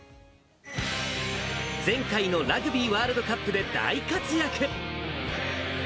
前回のラグビーワールドカップで大活躍。